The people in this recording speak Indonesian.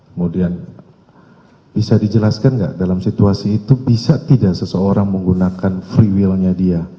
kemudian bisa dijelaskan nggak dalam situasi itu bisa tidak seseorang menggunakan free will nya dia